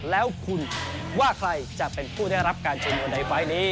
แล้วคุณว่าใครจะเป็นผู้ได้รับการเชิญเงินในไฟล์นี้